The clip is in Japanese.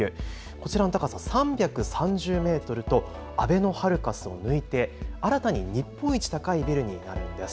こちらの高さ３３０メートルとあべのハルカスを抜いて新たに日本一高いビルになるんです。